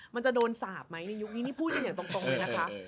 มันจะโดนสาบไหมในยุคนี้นี่พูดกันอย่างตรงเลยนะคะ